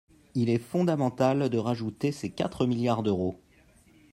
Il est fondamental de rajouter ces quatre milliards d’euros.